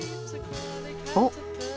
おっ！